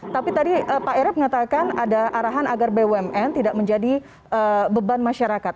tapi tadi pak erip mengatakan ada arahan agar bumn tidak menjadi beban masyarakat